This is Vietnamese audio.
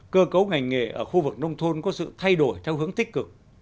cơ cấu ngành nghề ở khu vực nông thôn có sự thay đổi theo hướng tích cực